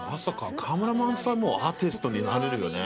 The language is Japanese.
カメラマンさんもアーティストになれるよね。